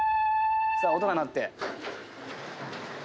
さあ音が鳴って。